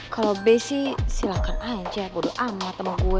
kalau be sih silahkan aja bodo amat sama gue